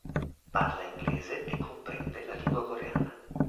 Parla inglese e comprende la lingua coreana.